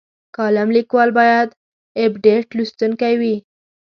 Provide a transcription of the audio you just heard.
کالم لیکوال باید ابډیټ لوستونکی وي.